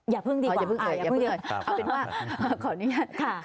อย่าพึ่งดีกว่า